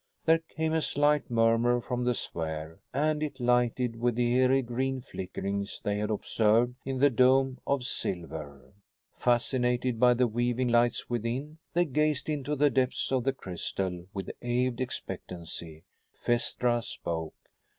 There came a slight murmur from the sphere, and it lighted with the eery green flickerings they had observed in the dome of silver. Fascinated by the weaving lights within, they gazed into the depths of the crystal with awed expectancy. Phaestra spoke.